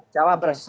cawa press ya